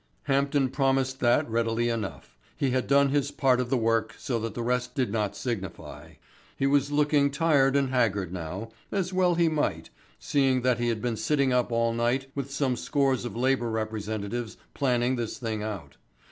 Hampden promised that readily enough. He had done his part of the work so that the rest did not signify. He was looking tired and haggard now, as well he might, seeing that he had been sitting up all night with some scores of labour representatives planning this thing out.